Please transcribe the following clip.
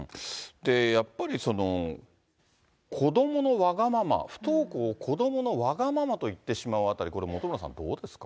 やっぱり子どものわがまま、不登校を子どものわがままと言ってしまうあたり、これ、本村さん、どうですか。